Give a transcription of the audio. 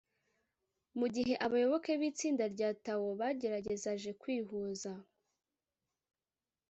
mu gihe abayoboke b’itsinda rya tao bageragezaje kwihuza